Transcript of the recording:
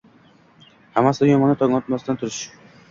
Hammasidan yomoni — tong otmasdan turish.